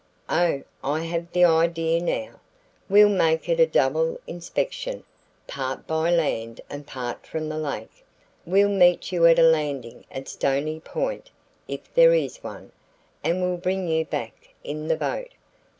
Oh, I have the idea now. We'll make it a double inspection, part by land and part from the lake. We'll meet you at a landing at Stony Point, if there is one, and will bring you back in the boat.